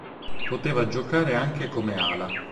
Poteva giocare anche come ala.